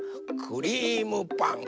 クリームパン。